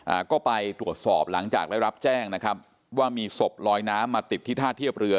อ่าก็ไปตรวจสอบหลังจากได้รับแจ้งนะครับว่ามีศพลอยน้ำมาติดที่ท่าเทียบเรือ